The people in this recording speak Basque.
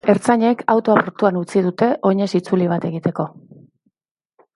Ertzainek autoa portuan utzi dute oinez itzuli bat egiteko.